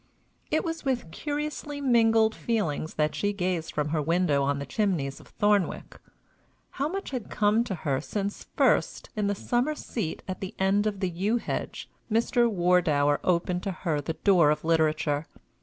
It was with curiously mingled feelings that she gazed from her window on the chimneys of Thornwick. How much had come to her since first, in the summer seat at the end of the yew hedge, Mr. Wardour opened to her the door of literature!